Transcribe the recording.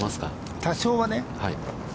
多少はね。